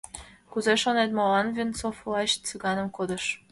— Кузе шонет, молан Венцов лач Цыганым кодыш?